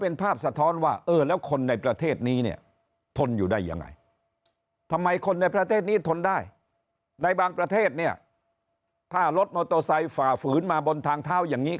ในบางประเทศเนี่ยถ้ารถโมโตไซค์ฝ่าฝืนมาบนทางเท้าอย่างนี้